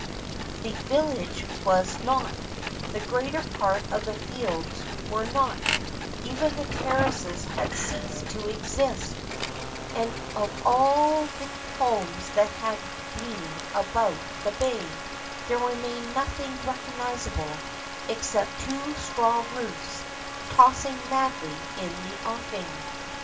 The 349 JAPAN village was not; the greater part of the fields were not; even the terraces had ceased to exist; and of all the homes that had been about the bay there remained no thing recognizable except two straw roofs tossing madly in the offing.